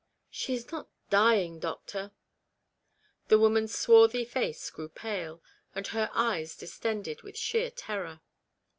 " She is not dying, doctor ?" The woman's swarthy face grew pale, and her eyes distended with sheer terror.